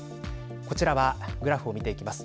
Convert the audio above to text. こちらはグラフを見ていきます。